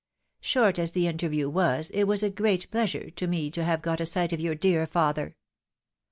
Short as the interview was, it was a great pleasure to me to have got a sight of your dear father.